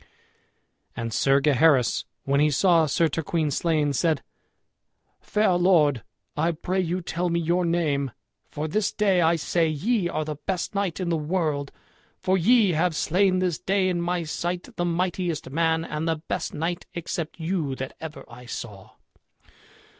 And Sir Gaheris, when he saw Sir Turquine slain, said, "Fair lord, I pray you tell me your name, for this day I say ye are the best knight in the world, for ye have slain this day in my sight the mightiest man and the best knight except you that ever I saw."